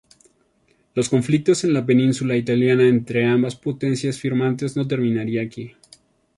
Los conflictos en la península italiana entre ambas potencias firmantes no terminarían aquí.